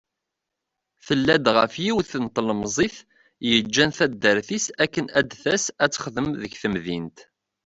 Tella-d ɣef yiwen n tlemzit yeǧǧan taddart-is akken ad d-tas ad texdem deg temdint.